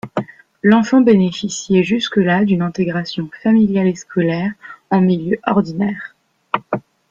L'enfant bénéficiait jusque là d'une intégration familiale et scolaire en milieu ordinaire.